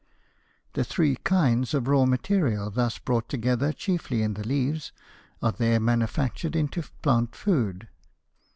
The three kinds of raw material thus brought together chiefly in the leaves are there manufactured into plant food.